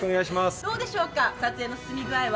どうでしょうか撮影の進み具合は。